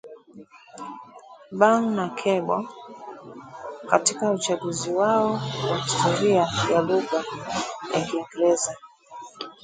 Baugh na Cable katika uchunguzi wao wa historia ya lugha ya Kiingereza